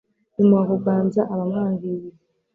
imuha kuganza abamwangirira